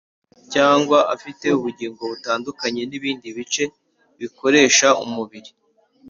cyangwa afite ubugingo butandukanye n’ibindi bice bikoresha umubiri?